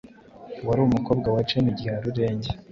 wari umukobwa wa Jeni rya Rurenge,